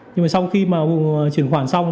nhưng mà sau khi mà chuyển khoản xong